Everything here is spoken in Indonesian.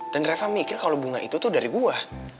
dan reva mikir kalo bunga itu tuh dari gua